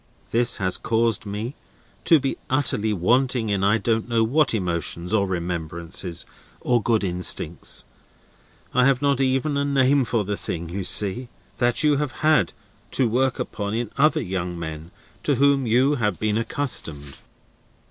This has caused me to be utterly wanting in I don't know what emotions, or remembrances, or good instincts—I have not even a name for the thing, you see!—that you have had to work upon in other young men to whom you have been accustomed."